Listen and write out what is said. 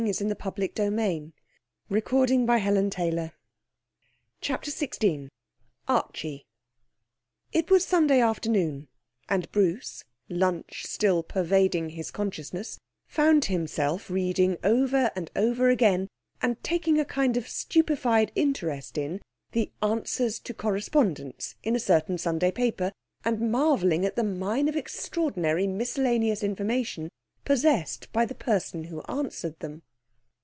'Not in the least,' she answered. 'I prefer it.' He went out. CHAPTER XVI Archie It was Sunday afternoon, and Bruce, lunch still pervading his consciousness, found himself reading over and over again and taking a kind of stupefied interest in the 'Answers to Correspondents' in a certain Sunday paper, and marvelling at the mine of extraordinary miscellaneous information possessed by the person who answered them.